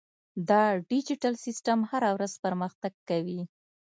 دا ډیجیټل سیستم هره ورځ پرمختګ کوي.